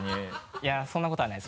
いやそんなことはないです